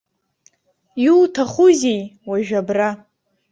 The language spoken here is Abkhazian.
Иуҭахузеи уажә абра?